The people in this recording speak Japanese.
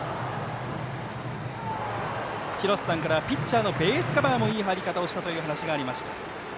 廣瀬さんからはピッチャーのベースカバーもいい入り方をしたという話がありました。